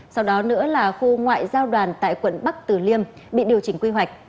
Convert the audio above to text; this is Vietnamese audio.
sau đó nữa là khu ngoại giao đoàn tại quận bắc tử liêm bị điều chỉnh quy hoạch